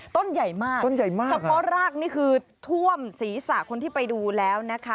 ต้นใหญ่มากสะพอด์รากนี่คือท่วมศีรษะคนที่ไปดูแล้วนะคะ